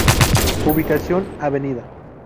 Ubicación: Av.